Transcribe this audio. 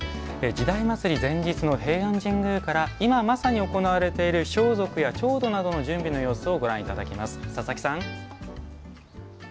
「時代祭」前日の平安神宮から今まさに行われている装束や調度などの準備の様子をご覧いただきます佐々木さん。